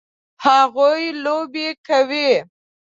هغوی لوبې کوي